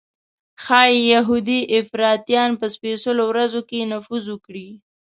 ښایي یهودي افراطیان په سپېڅلو ورځو کې نفوذ وکړي.